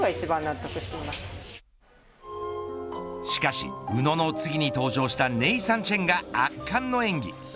しかし宇野の次に登場したネイサン・チェンが圧巻の演技。